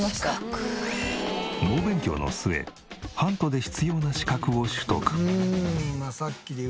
猛勉強の末ハントで必要な資格を取得。